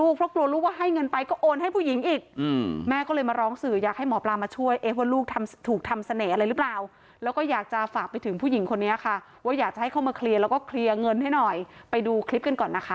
คุณแม่ก็เลยมาร้องสื่ออยากให้หมอปลามาช่วยว่าลูกถูกทำแสนอะไรหรือเปล่าแล้วก็อยากจะฝากไปถึงผู้หญิงคนนี้ค่ะว่าอยากจะให้เขามาเคลียร์แล้วก็เคลียร์เงินให้หน่อยไปดูคลิปกันก่อนนะคะ